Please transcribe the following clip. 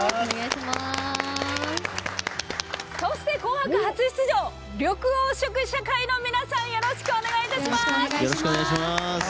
そして、「紅白」初出場緑黄色社会の皆さんよろしくお願いいたします。